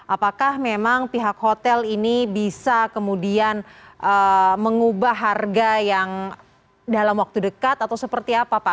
apakah memang pihak hotel ini bisa kemudian mengubah harga yang dalam waktu dekat atau seperti apa pak